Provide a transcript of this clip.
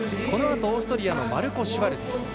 このあと、オーストリアのマルコ・シュワルツ。